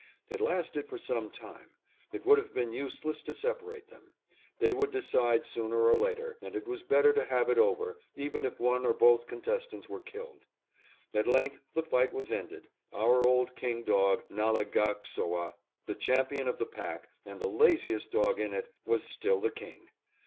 It lasted for some time. It would have been useless to separate them. They would decide sooner or later, and it was better to have it over, even if one or both contestants were killed. At length the fight was ended; our old king dog, Nalegaksoah, the champion of the pack, and the laziest dog in it, was still the king.